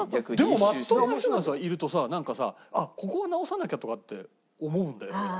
でもまっとうな人がいるとさなんかさ「ここ直さなきゃ」とかって思うんだよね。